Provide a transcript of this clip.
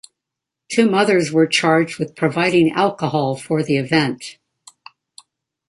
Two mothers were charged with providing alcohol for the event.